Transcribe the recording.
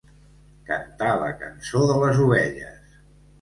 Cantar la cançó de les ovelles.